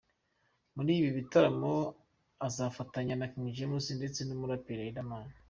Muri ibi bitaramo azafatanya na King James ndetse n’umuraperi Riderman.